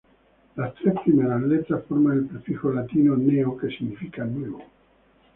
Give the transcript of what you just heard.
Las tres primeras letras forman el prefijo latino "neo", que significa "nuevo".